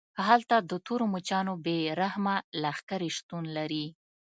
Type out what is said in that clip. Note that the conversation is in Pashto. هلته د تورو مچانو بې رحمه لښکرې شتون لري